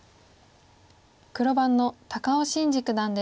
黒番の高尾紳路九段です。